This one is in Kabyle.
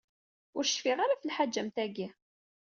Ur cfiɣ ara ɣef lḥaǧa am tagi.